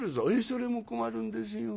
「それも困るんですよ。